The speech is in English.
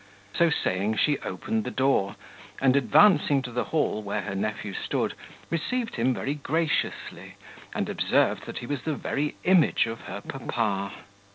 So saying, she opened the door, and, advancing to the hall where her nephew stood, received him very graciously and observed that he was the very image of her papa.